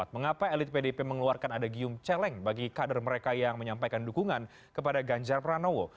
mengapa elit pdip mengeluarkan adagium celeng bagi kader mereka yang menyampaikan dukungan kepada ganjar pranowo